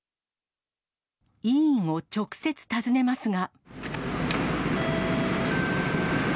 医院を直接訪ねますが。